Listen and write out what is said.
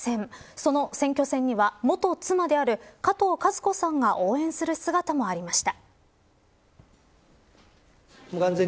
その選挙戦には、元妻であるかとうかず子さんが応援する姿もありました。